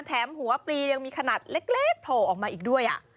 แถมหัวปลียังมีขนาดเล็กโผล่ออกมาอีกด้วย